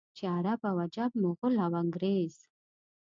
چې عرب او عجم، مغل او انګرېز.